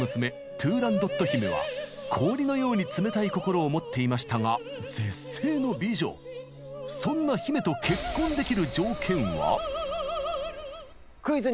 トゥーランドット姫は氷のように冷たい心を持っていましたがそんな姫と結婚できる条件は？